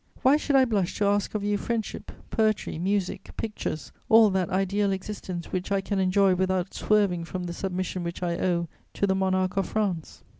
Why should I blush to ask of you friendship, poetry, music, pictures, all that ideal existence which I can enjoy without swerving from the submission which I owe to the Monarch of France?"